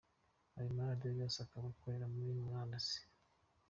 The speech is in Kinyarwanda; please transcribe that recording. Ayo maradiyo yose akaba akorera kuri murandasi.